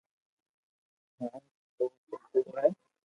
ھين تو تو ڪوڙو ھي